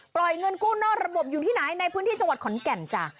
เงินกู้นอกระบบอยู่ที่ไหนในพื้นที่จังหวัดขอนแก่นจ้ะ